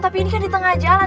tapi ini kan di tengah jalan